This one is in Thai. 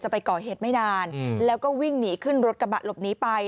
ไปก่อเหตุไม่นานแล้วก็วิ่งหนีขึ้นรถกระบะหลบหนีไป